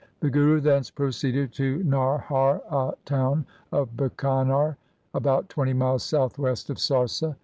The Guru thence proceeded to Nauhar, a town of Bikaner about twenty miles south west of Sarsa.